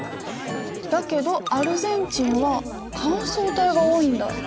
だけどアルゼンチンは乾燥帯が多いんだ。